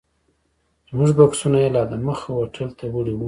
زموږ بکسونه یې لا دمخه هوټل ته وړي وو.